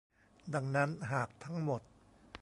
ดังนั้นหากทั้งหมด